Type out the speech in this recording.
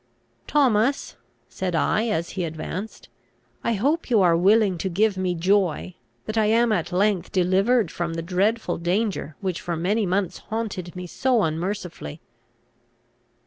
"Thomas," said I, as he advanced, "I hope you are willing to give me joy, that I am at length delivered from the dreadful danger which for many months haunted me so unmercifully."